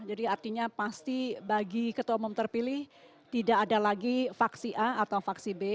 jadi artinya pasti bagi ketua umum terpilih tidak ada lagi faksi a atau faksi b